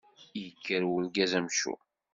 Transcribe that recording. Yekker urgaz amcum.